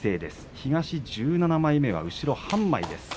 東１７枚目は後ろ半枚です。